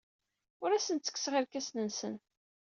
Ur asen-ttekkseɣ irkasen-nsen.